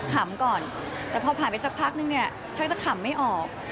ก่อนแต่พอผ่านไปสักพักนึงเนี่ยฉันจะขำไม่ออก